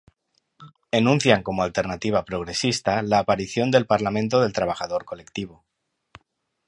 Enuncian como alternativa progresista, la aparición del parlamento del trabajador colectivo.